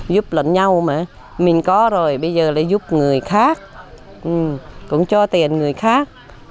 giúp lẫn nhau mà mình có rồi bây giờ là giúp người khác cũng cho tiền người khác